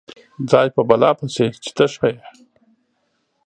ځای په بلا پسې چې ته ښه یې.